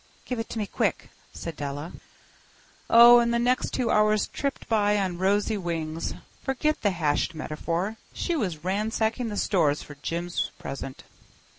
"Give it to me quick," said Della. Oh, and the next two hours tripped by on rosy wings. Forget the hashed metaphor. She was ransacking the stores for Jim's present.